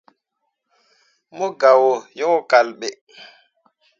Mo ge o yo kal ɓe.